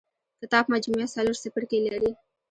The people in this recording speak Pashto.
کتاب مجموعه څلور څپرکي لري.